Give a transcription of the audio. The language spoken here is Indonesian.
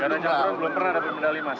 ganda campuran belum pernah dapat medali mas